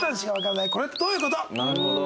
なるほど。